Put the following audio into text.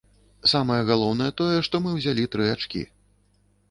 Самае галоўнае тое, што мы ўзялі тры ачкі.